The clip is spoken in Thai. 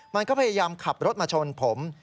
มันก็พยายามขับรถมาชนผม